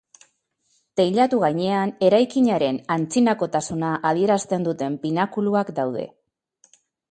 Teilatu gainean eraikinaren antzinakotasuna adierazten duten pinakuluak daude.